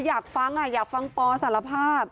อยากฟังอยากฟังปอสารภาพ